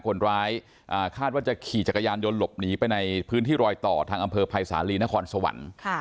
คนร้ายคาดว่าจะขี่จักรยานยนต์หลบหนีไปในพื้นที่รอยต่อทางอำเภอภัยสาลีนครสวรรค์